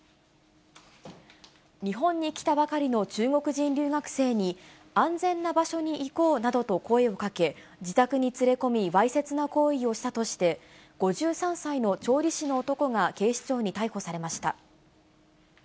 日本に来たばかりの中国人留学生に、安全な場所に行こうなどと声をかけ、自宅に連れ込みわいせつな行為をしたとして、５３歳の調理師の男が警視庁に逮捕されました。